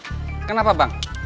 oh yang barang